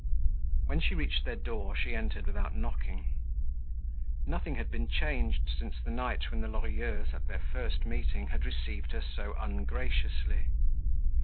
When she reached their door she entered without knocking. Nothing had been changed since the night when the Lorilleuxs, at their first meeting had received her so ungraciously.